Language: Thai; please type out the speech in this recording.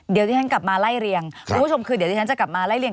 เดี๋ยวที่ฉันกลับมาไล่เรียงคุณผู้ชมคือเดี๋ยวที่ฉันจะกลับมาไล่เรียง